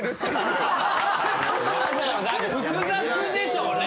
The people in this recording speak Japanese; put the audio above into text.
複雑でしょうね